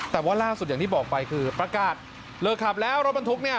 แต่ว่าล่าสุดอย่างที่บอกไปคือประกาศเลิกขับแล้วรถบรรทุกเนี่ย